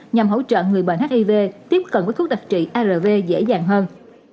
nhằm hỗ trợ người bệnh hiv tiếp cận với thuốc đặc trị rv dễ dàng hơn